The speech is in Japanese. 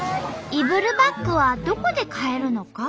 イブルバッグはどこで買えるのか？